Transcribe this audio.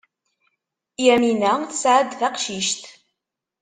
Yamina tesɛa-d taqcict.